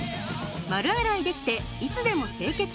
丸洗いできていつでも清潔。